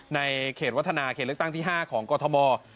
ในเขตวัฒนาเขตเลือกตั้งที่๕ของกรทม